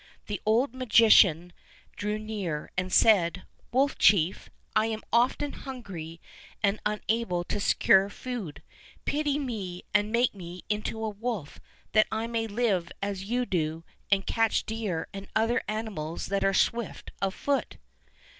The old magician drew near and said, '"Wolf chief, I am often hungry and unable to secure food. Pity me and make me into a wolf that I may live as you do and catch deer and other animals that are swift of foot."